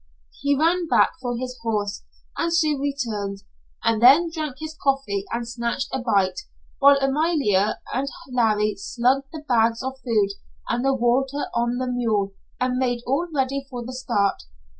He ran back for his horse and soon returned, and then drank his coffee and snatched a bite, while Amalia and Larry slung the bags of food and the water on the mule and made all ready for the start.